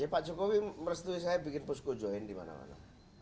pak jokowi merestui saya bikin posko join di mana mana